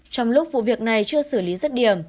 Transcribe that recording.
trong lúc vụ việc này chưa xử lý rất điểm